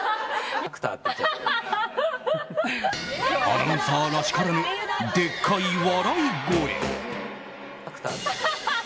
アナウンサーらしからぬでっかい笑い声。